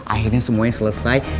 akhirnya semuanya selesai